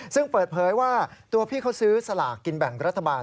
ซึ่งเปิดเผยว่าตัวพี่เขาซื้อสลากกินแบ่งรัฐบาล